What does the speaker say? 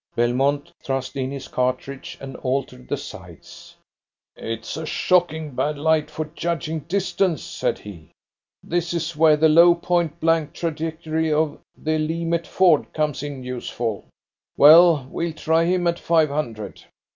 Belmont thrust in his cartridge and altered the sights. "It's a shocking bad light for judging distance," said he. "This is where the low point blank trajectory of the Lee Metford comes in useful. Well, we'll try him at five hundred."